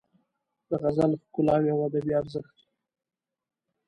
د غزل ښکلاوې او ادبي ارزښت